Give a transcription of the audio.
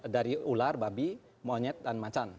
dari ular babi monyet dan macan